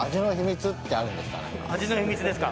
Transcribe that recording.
味の秘密ですか？